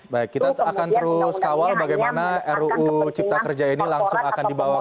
baik kita akan terus kawal bagaimana ruu cipta kerja ini langsung akan dibawa ke